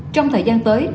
trong thời gian tới